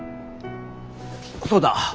そうだ！